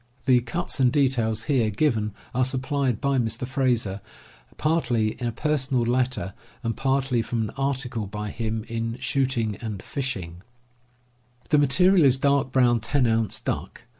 The cuts and details here given are supplied by Mr. Frazer, partly in a personal letter, and partly from an article by him in Shooting and Fishing. (Figs. 1 and 2.) The material is dark brown 10 ounce duck.